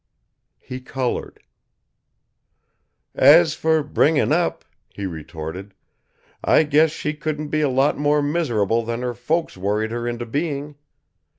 He colored. "As for bringing up," he retorted, "I guess she couldn't be a lot more miserable than her folks worried her into being.